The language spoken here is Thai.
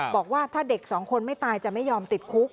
บอกว่าถ้าเด็กสองคนไม่ตายจะไม่ยอมติดคุก